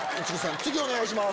次お願いします。